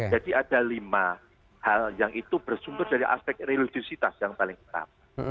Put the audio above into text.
jadi ada lima hal yang itu bersumber dari aspek religiositas yang paling terang